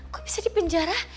gue bisa dipenjara